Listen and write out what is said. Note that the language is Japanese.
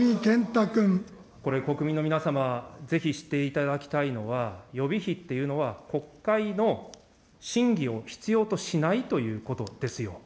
これ、国民の皆様、ぜひ、知っていただきたいのは、予備費っていうのは、国会の審議を必要としないということですよ。